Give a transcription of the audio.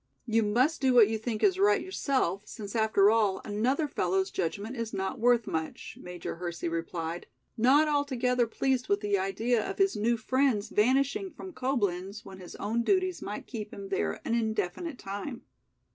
You must do what you think is right yourself since after all another fellow's judgment is not worth much," Major Hersey replied, not altogether pleased with the idea of his new friends vanishing from Coblenz when his own duties might keep him there an indefinite time.